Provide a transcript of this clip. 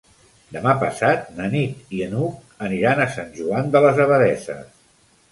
Demà passat na Nit i n'Hug aniran a Sant Joan de les Abadesses.